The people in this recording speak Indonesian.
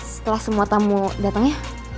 setelah semua tamu datang ya